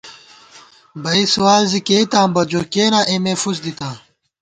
بئ سوال زی کېئیتاں بہ ، جو کېنا اېمے فُس دِتاں